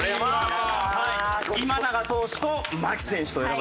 今永投手と牧選手というのが。